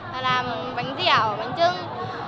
và làm bánh dẻo bánh trưng